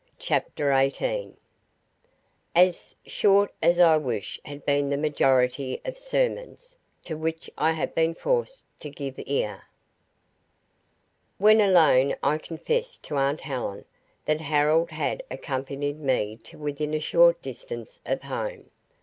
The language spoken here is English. CHAPTER EIGHTEEN As Short as I Wish had been the Majority of Sermons to which I have been Forced to give Ear When alone I confessed to aunt Helen that Harold had accompanied me to within a short distance of home.